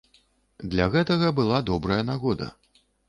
Для гэтага была добрая нагода.